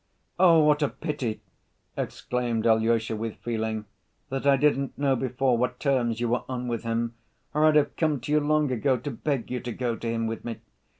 "Oh, what a pity," exclaimed Alyosha, with feeling, "that I didn't know before what terms you were on with him, or I'd have come to you long ago to beg you to go to him with me.